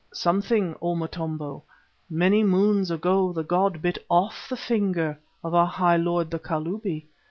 "Something, O Motombo. Many moons ago the god bit off the finger of our High Lord, the Kalubi.